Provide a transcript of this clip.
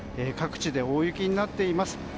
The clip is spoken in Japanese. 各地で大雪になっています。